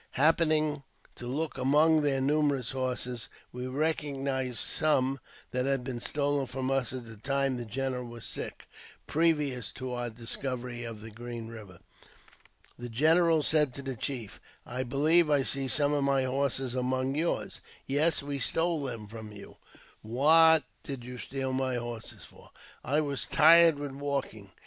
Happening to look among their numerous horses, we recog nized some that had been stolen from us at the time the general was sick, previous to our discovery of the Green Eiver. The general said to the chief, " I believe I see some of my horses among yours." Yes, we stole them from you." " What did you steal my horses for? "'I was tired with walking.